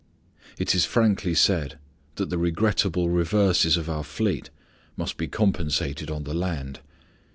It is frankly said that the regrettable reverses of our fleet must be compensated on the land.